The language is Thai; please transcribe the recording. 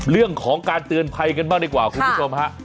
เรื่องของการเตือนภัยกันบ้างดีกว่าคุณผู้ชมฮะ